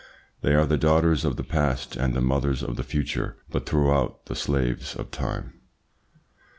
They are the daughters of the past and the mothers of the future, but throughout the slaves of time.